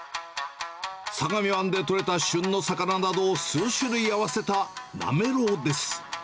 相模湾で取れた旬の魚などを数種類合わせたなめろうです。